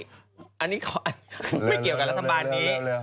ไม่เกี่ยวกับรัฐบาลนี้